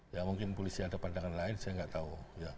ya mungkin polisi ada pandangan lain saya nggak tahu